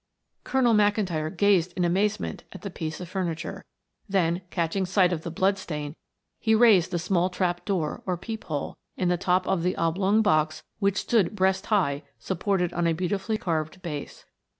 Colonel McIntyre gazed in amazement at the piece of furniture; then catching sight of the blood stain, he raised the small trap door or peep hole, in the top of the oblong box which stood breast high, supported on a beautifully carved base.